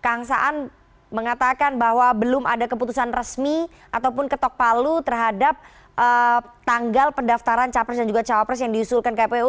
kang saan mengatakan bahwa belum ada keputusan resmi ataupun ketok palu terhadap tanggal pendaftaran capres dan juga cawapres yang diusulkan kpu